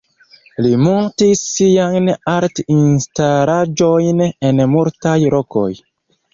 Li muntis siajn art-instalaĵojn en multaj lokoj.